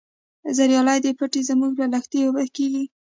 زریالي دي پټی زموږ په لښتي اوبه کیږي.